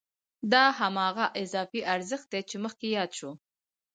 دا هماغه اضافي ارزښت دی چې مخکې یاد شو